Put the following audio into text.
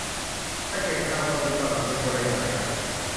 สะเก็ดดาวกับอุกาบาตเป็นคนละอย่างกัน